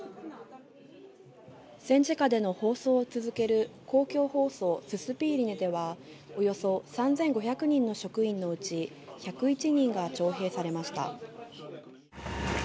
戦時下での放送を続ける公共放送・ススピーリネでは、およそ３５００人の職員のうち、１０１人が徴兵されました。